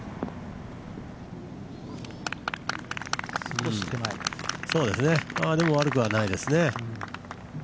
少し手前ですけど、悪くはないですね。